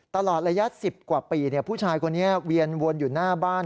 ตลอดระยะ๑๐กว่าปีผู้ชายคนนี้เวียนวนอยู่หน้าบ้าน